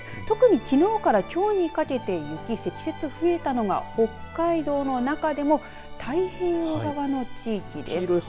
特にきのうからきょうにかけて雪、積雪増えたのが北海道の中でも太平洋側の地域です。